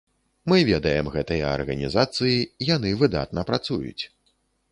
Мы ведаем гэтыя арганізацыі, яны выдатна працуюць.